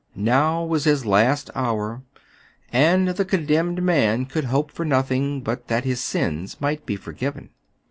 Now was his last hour ; and the condemned man could hope for nothing, but that his sins might be forgiven.